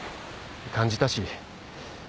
感じたし。